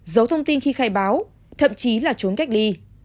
giấu thông tin khi khai báo thậm chí là trốn cách ly